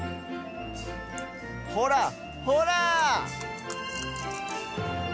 ほらほら！